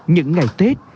những ngày tết